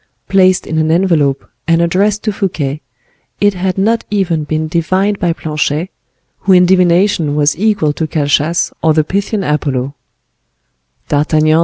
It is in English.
Placed in an envelope, and addressed to Fouquet, it had not even been divined by Planchet, who in divination was equal to Calchas or the Pythian Apollo.